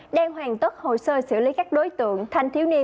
đang hoàn tất hồ sơ xử lý các đối tượng thanh thiếu niên